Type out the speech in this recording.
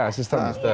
ya sistem juga